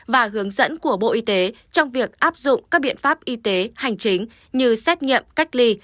và hướng dẫn của bộ y tế trong việc áp dụng các biện pháp y tế hành chính như xét nghiệm cách ly